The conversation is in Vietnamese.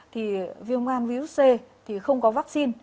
thì viêm gan virus c thì không có vaccine